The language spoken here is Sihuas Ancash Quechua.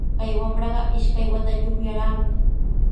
Kay wamraqa ishkay watayuqllaraqmi